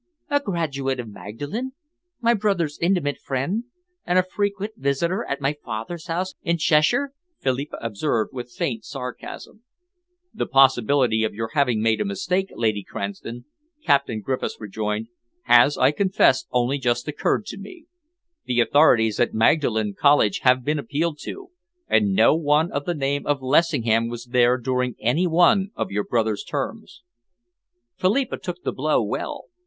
"A graduate of Magdalen, my brother's intimate friend, and a frequent visitor at my father's house in Cheshire," Philippa observed, with faint sarcasm. "The possibility of your having made a mistake, Lady Cranston," Captain Griffiths rejoined, "has, I must confess, only just occurred to me. The authorities at Magdalen College have been appealed to, and no one of the name of Lessingham was there during any one of your brother's terms." Philippa took the blow well.